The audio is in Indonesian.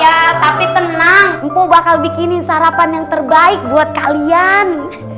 ya tapi tenang empu bakal bikinin sarapan yang terbaik buat kalian